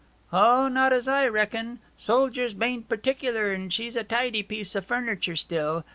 'O, not as I reckon. Soldiers bain't particular, and she's a tidy piece o' furniture still.